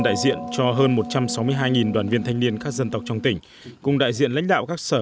đại diện cho hơn một trăm sáu mươi hai đoàn viên thanh niên các dân tộc trong tỉnh cùng đại diện lãnh đạo các sở